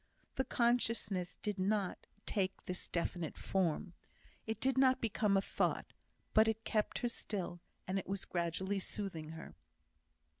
The consciousness did not take this definite form, it did not become a thought, but it kept her still, and it was gradually soothing her.